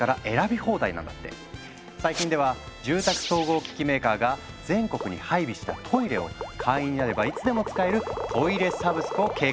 最近では住宅総合機器メーカーが全国に配備したトイレを会員になればいつでも使える「トイレサブスク」を計画中なんですって。